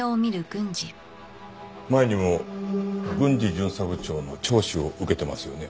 前にも郡司巡査部長の聴取を受けてますよね？